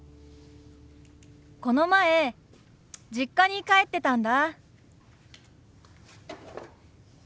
この前実家に帰ってたんだ。